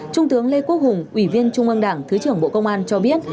trung tướng lê quốc hùng ủy viên trung ương đảng thứ trưởng bộ công an cho biết